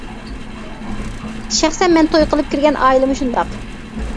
شەخسەن مەن توي قىلىپ كىرگەن ئائىلىمۇ شۇنداق.